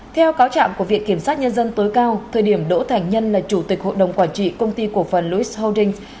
theo cáo trạm của viện kiểm sát nhân dân tối cao thời điểm đỗ thảnh nhân là chủ tịch hội đồng quản trị công ty cổ phần lewis holdings